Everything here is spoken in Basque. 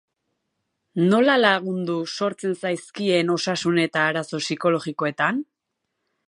Nola lagundu sortzen zaizkien osasun eta arazo psikologikoetan?